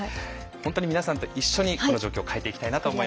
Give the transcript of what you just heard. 本当に皆さんと一緒にこの状況を変えていきたいなと思います。